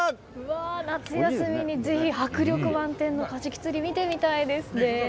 夏休みにぜひ、迫力満点のカジキ釣りを見てみたいですね。